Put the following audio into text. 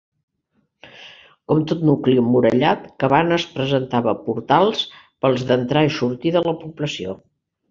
Com tot nucli emmurallat, Cabanes presentava portals pels d'entrar i sortir de la població.